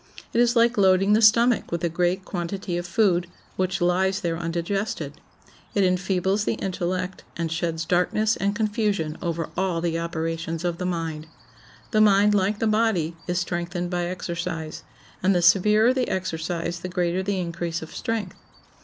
It is like loading the stomach with a great quantity of food, which lies there undigested. It enfeebles the intellect, and sheds darkness and confusion over all the operations of the mind. The mind, like the body, is strengthened by exercise, and the severer the exercise the greater the increase of strength.